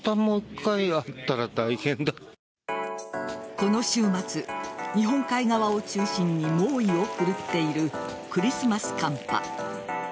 この週末、日本海側を中心に猛威を振るっているクリスマス寒波。